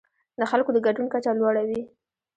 د خلکو د ګډون کچه لوړه وي.